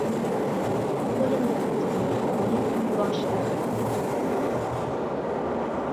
Qo‘limni ko‘ksimga qo‘yib, bosh irg‘adim.